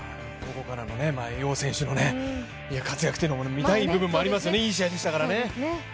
楊選手の活躍というのも見たい部分ありますからね、いい試合でしたからね。